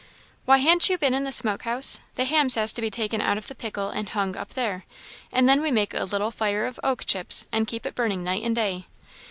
"Why, han't you been in the smoke house? The hams has to be taken out of the pickle and hung up there! and then we make a little fire of oak chips, and keep it burning night and day."